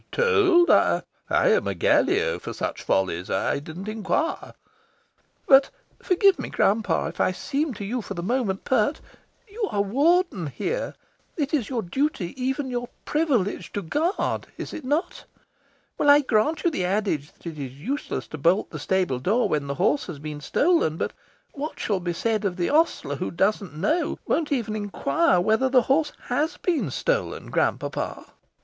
"Told? I am a Gallio for such follies. I didn't inquire." "But (forgive me, grand papa, if I seem to you, for the moment, pert) you are Warden here. It is your duty, even your privilege, to GUARD. Is it not? Well, I grant you the adage that it is useless to bolt the stable door when the horse has been stolen. But what shall be said of the ostler who doesn't know won't even 'inquire' whether the horse HAS been stolen, grand papa?"